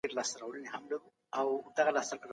هغه پانګونه چی په هېواد کي کيږي ملي عايد لوړوي.